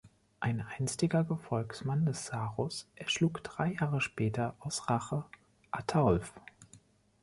Ein einstiger Gefolgsmann des Sarus erschlug drei Jahre später aus Rache Athaulf.